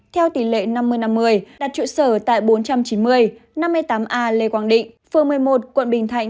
theo tỷ lệ năm mươi năm mươi đặt trụ sở tại bốn trăm chín mươi năm mươi tám a lê quang định phường một mươi một quận bình thạnh